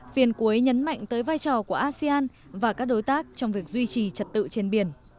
phiền cuối nhấn mạnh tới vai trò của asean và các đối tác trong việc duy trì trật tự trên biển